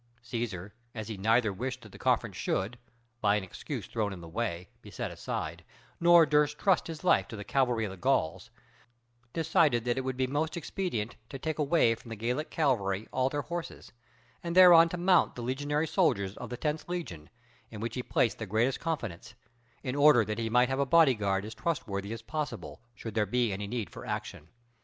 Cæsar, as he neither wished that the conference should, by an excuse thrown in the way, be set aside, nor durst trust his life to the cavalry of the Gauls, decided that it would be most expedient to take away from the Gallic cavalry all their horses, and thereon to mount the legionary soldiers of the tenth legion, in which he placed the greatest confidence; in order that he might have a body guard as trustworthy as possible, should there be any need for action.